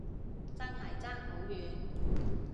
真係爭好遠